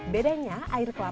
bedanya air kelapa